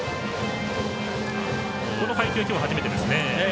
この配球、きょう初めてですね。